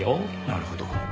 なるほど。